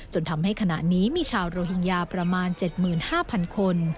จนทำให้ขณะนี้มีชาวโรฮิงญาประมาณ๗๕๐๐คน